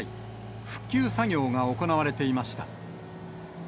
復旧作業が行われていました。